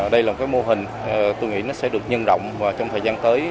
đây là một mô hình tôi nghĩ sẽ được nhân rộng và trong thời gian tới